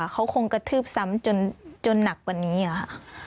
เขาคงกระทืบซ้ำจนหนักกว่านี้ค่ะ